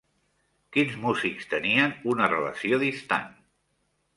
Quins músics tenien una relació distant?